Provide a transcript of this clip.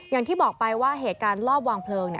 อย่างที่บอกไปว่าเหตุการณ์รอบวางเพลิง